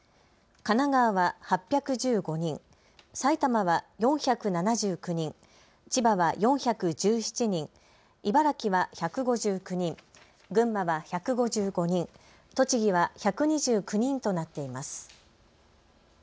神奈川は８１５人、埼玉は４７９人、千葉は４１７人、茨城は１５９人、群馬は１５５人、栃木は１２９人となっています。